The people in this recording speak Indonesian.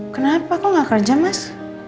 kenapa kok gak kerja mas